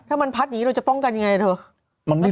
ถ้ามันพัดอย่างนี้เราจะป้องกันยังไงเถอะ